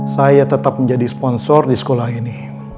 saya tetap menjadi sponsor di sekolah ini